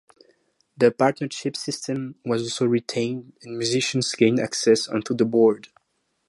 The partnership system was also retained, and musicians gained access onto the board.